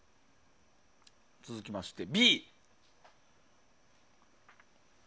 続きまして、Ｂ。